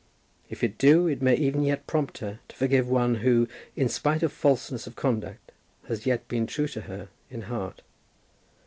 If it do, it may even yet prompt her to forgive one who, in spite of falseness of conduct, has yet been true to her in heart.